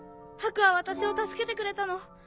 ハクは私を助けてくれたの。